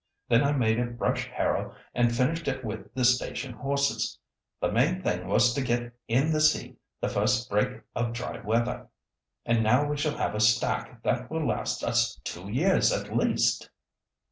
Then I made a brush harrow and finished it with the station horses. The main thing was to get in the seed the first break of dry weather, and now we shall have a stack that will last us two years at least."